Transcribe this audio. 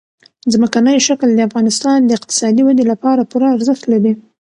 ځمکنی شکل د افغانستان د اقتصادي ودې لپاره پوره ارزښت لري.